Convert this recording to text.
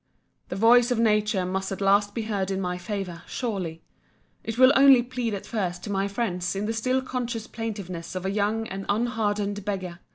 The voice of Nature must at last be heard in my favour, surely. It will only plead at first to my friends in the still conscious plaintiveness of a young and unhardened beggar.